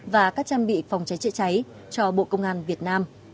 và các trang bị phòng cháy chữa cháy cho bộ công an việt nam